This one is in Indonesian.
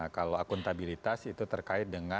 nah kalau akuntabilitas itu terkait tepat